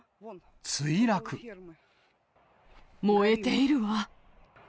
燃えているわ。